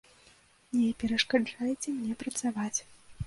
Не перашкаджайце мне працаваць.